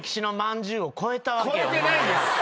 超えてないです。